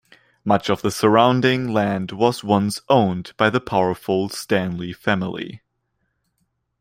Much of the surrounding land was once owned by the powerful Stanley family.